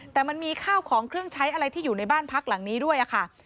แต่มันมีข้าวของเครื่องใช้อะไรที่อยู่ในบ้านพักหลังนี้ด้วยค่ะ